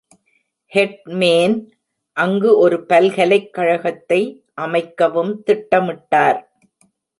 Headman அங்கு ஒரு பல்கலைக்கழகத்தை அமைக்கவும் திட்டமிட்டார்.